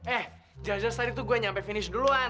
eh jelas jelas tadi tuh gue nyampe finish duluan